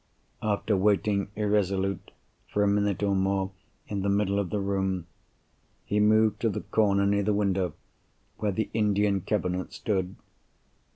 After waiting irresolute, for a minute or more, in the middle of the room, he moved to the corner near the window, where the Indian cabinet stood.